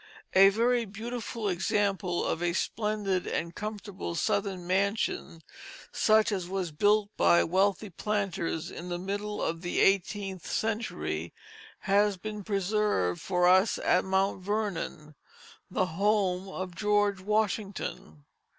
A very beautiful example of a splendid and comfortable Southern mansion such as was built by wealthy planters in the middle of the eighteenth century has been preserved for us at Mount Vernon, the home of George Washington.